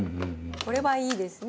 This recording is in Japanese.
「これはいいですね」